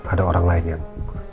ada orang lain yang